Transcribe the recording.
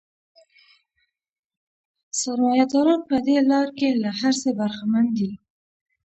سرمایه داران په دې لار کې له هر څه برخمن دي